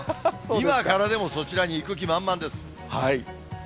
今からでも、そちらに行く気満々です。